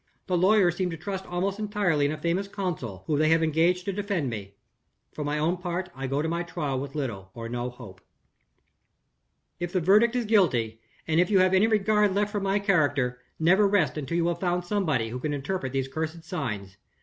The lawyers seem to trust almost entirely in a famous counsel, whom they have engaged to defend me. For my own part, I go to my trial with little or no hope. "If the verdict is guilty, and if you have any regard left for my character, never rest until you have found somebody who can interpret these cursed signs.